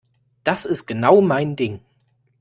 Das ist genau mein Ding.